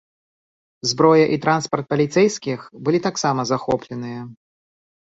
Зброя і транспарт паліцэйскіх былі таксама захопленыя.